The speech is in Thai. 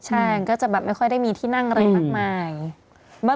ใช่มันก็จะแบบไม่ค่อยได้มีที่นั่งอะไรมากมาย